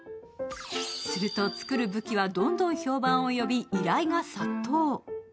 すると、作る武器はどんどん評判を呼び、依頼が殺到。